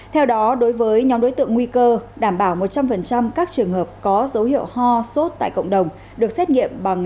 theo đó đối với nhóm đối tượng nguy cơ đảm bảo một trăm linh các trường hợp có dấu hiệu ho sốt tại cộng đồng được xét nghiệm